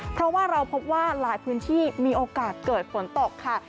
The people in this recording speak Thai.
เพราะว่าเราพบว่าหลายพื้นที่มีโอกาสเกิดฝนตกค่ะ